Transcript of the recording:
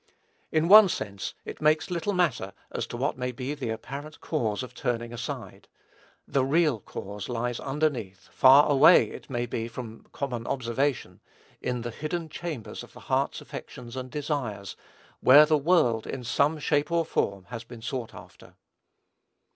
In one sense, it makes little matter as to what may be the apparent cause of turning aside; the real cause lies underneath, far away, it may be, from common observation, in the hidden chambers of the heart's affections and desires, where the world, in some shape or form, has been sought after.